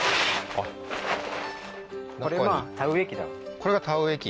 これが田植え機？